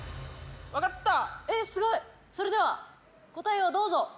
えすごいそれでは答えをどうぞ。